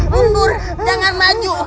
mundur jangan maju